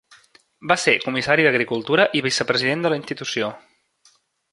Va ser comissari d'Agricultura i vicepresident de la institució.